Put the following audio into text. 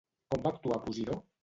Com va actuar Posidó?